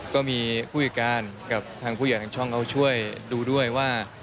ก็มีผู้จัดการกับทางผู้ใหญ่ทางช่องเขาช่วยดูด้วยว่า